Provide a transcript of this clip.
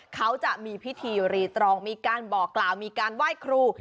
เขาจะมีพิธีรีตรองมีการบอกกล่าวมีการไหว้ครู